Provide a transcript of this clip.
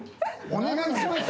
お願いします